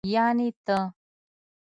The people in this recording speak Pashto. يعنې ته.